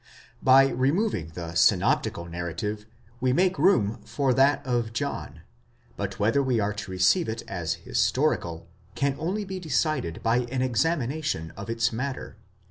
By removing the synoptical narrative we make room for that of John; but whether we are to receive it as historical, can only be decided by an examina tion of its matter.